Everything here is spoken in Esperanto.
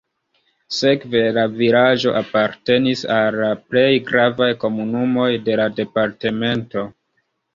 Sekve la vilaĝo apartenis al la plej gravaj komunumoj de la departemento.